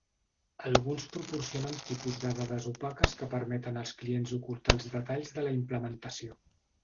Alguns proporcionen tipus de dades opaques que permeten als clients ocultar els detalls de la implementació.